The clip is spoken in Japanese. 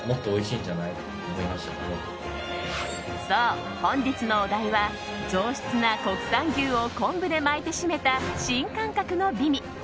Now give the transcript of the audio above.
そう、本日のお題は上質な国産牛を昆布で巻いて締めた新感覚の美味。